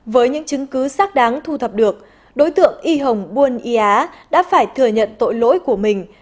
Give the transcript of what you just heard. với những chứng cứ xác đáng thu thập được đối tượng y hồng buôn y á đã phải thừa nhận tội lỗi